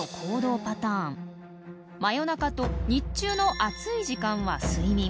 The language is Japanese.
真夜中と日中の暑い時間は睡眠。